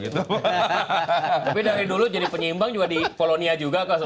tapi dari dulu jadi penyimbang juga di polonia juga kok